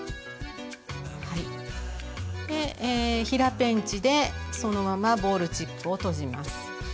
平ペンチでそのままボールチップをとじます。